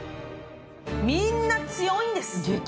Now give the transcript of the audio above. みんな強いんです。